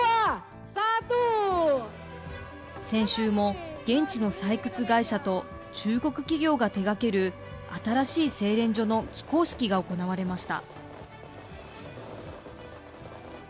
先週も現地の採掘会社と、中国企業が手がける新しい製錬所の起工式が行われました。